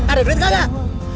ada duit kagak